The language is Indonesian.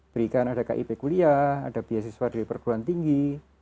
berikan ada kip kuliah ada beasiswa dari perguruan tinggi